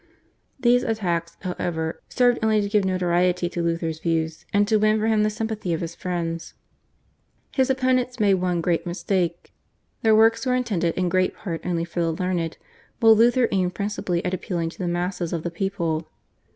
These attacks, however, served only to give notoriety to Luther's views and to win for him the sympathy of his friends. His opponents made one great mistake. Their works were intended in great part only for the learned, while Luther aimed principally at appealing to the masses of the people.